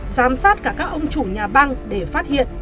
giám sát cả các ông chủ nhà băng để phát hiện